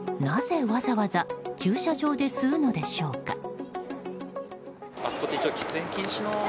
なぜ、わざわざ駐車場で吸うのでしょうか。